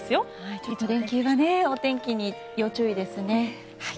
ちょっと連休は、お天気に要注意ですね。